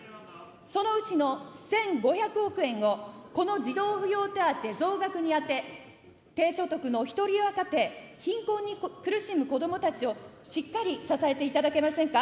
そのうちの１５００億円をこの児童扶養手当増額に充て、低所得のひとり親家庭、貧困に苦しむ子どもたちをしっかり支えていただけませんか。